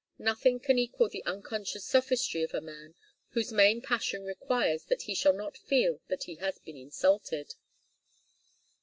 Nothing can equal the unconscious sophistry of a man whose main passion requires that he shall not feel that he has been insulted.